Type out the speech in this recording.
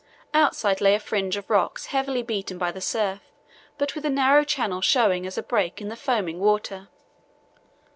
Outside lay a fringe of rocks heavily beaten by the surf but with a narrow channel showing as a break in the foaming water.